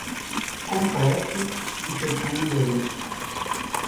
Com pressa e pequeno endereço.